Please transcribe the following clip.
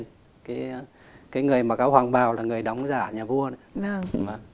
những người mà có hoàng bào là người đóng giả nhà vua đấy